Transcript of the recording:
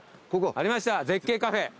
ありました絶景カフェ。